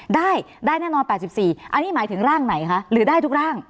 ได้ได้แน่นอน๘๔อันนี้หมายถึงร่างไหนคะหรือได้ทุกร่าง